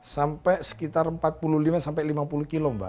sampai sekitar empat puluh lima sampai lima puluh kilo mbak